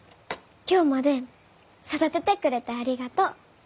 今日まで育ててくれてありがとう。